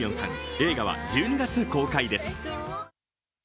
映画は１２月公開です。